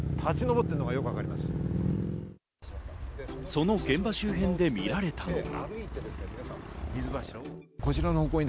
その現場周辺で見られたのが。